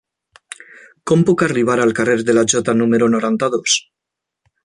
Com puc arribar al carrer de la Jota número noranta-dos?